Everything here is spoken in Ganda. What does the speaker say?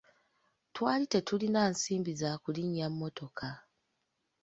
Twali tetulina nsimbi za kulinnya mmotoka.